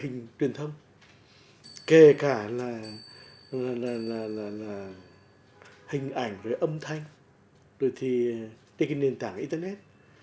hình truyền thông kể cả là hình ảnh âm thanh nền tảng internet